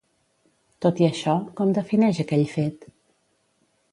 Tot i això, com defineix aquell fet?